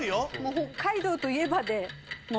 北海道といえばでもう。